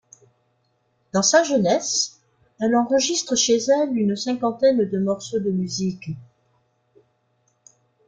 Dans sa jeunesse, elle enregistre chez elle une cinquantaine de morceaux de musique.